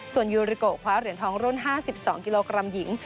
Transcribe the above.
ส่วนยูริโกคว้าเหรียญทองรุ่น๕๒กิโลกรัมหญิง